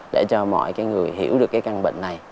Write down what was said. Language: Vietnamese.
để cho mọi người hiểu được cái căn bệnh này